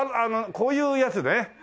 こういうやつです。